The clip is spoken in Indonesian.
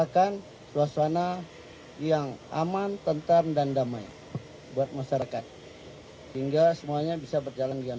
akan suasana yang aman tentang dan damai buat masyarakat sehingga semuanya bisa berjalan dengan